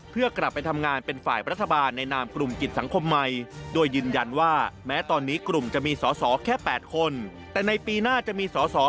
เพื่อกลับไปทำงานเป็นฝ่ายประธบาลในนามกลุ่มกิจสังคมใหม่